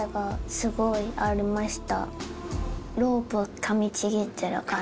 すごいありました。